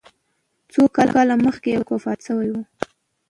څو کاله مخکي یو څوک وفات سوی و